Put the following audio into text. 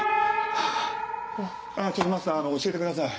あぁちょっとマスター教えてください。